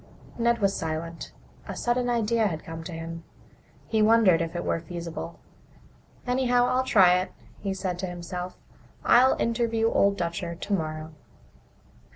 Ned was silent. A sudden idea had come to him. He wondered if it were feasible. "Anyhow, I'll try it," he said to himself. "I'll interview Old Dutcher tomorrow."